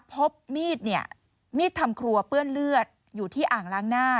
พบมีดเนี่ยมีดทำครัวเปื้อนเลือดอยู่ที่อ่างล้างหน้า